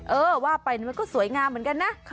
เออว่าไปมันก็สวยงามเหมือนกันนะ